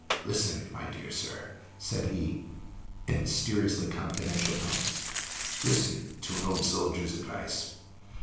"Listen, my dear sir," said he, in mysteriously confidential tones "listen to an old soldier's advice.